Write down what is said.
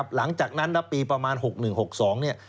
หลังจากนั้นปีประมาณ๖๑๖๒